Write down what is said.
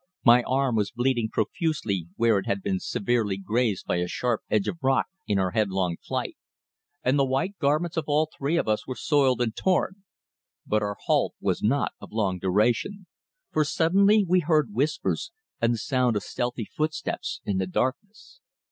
My arm was bleeding profusely where it had been severely grazed by a sharp edge of rock in our headlong flight, and the white garments of all three of us were soiled and torn. But our halt was not of long duration, for suddenly we heard whispers and the sound of stealthy footsteps in the darkness.